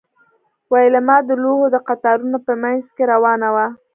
ویلما د لوحو د قطارونو په مینځ کې روانه وه